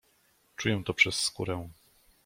"Czuję to przez skórę."